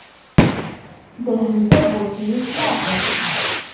Dehhem tawwurt-nni s leɛqel.